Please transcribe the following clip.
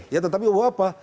ya tetapi apa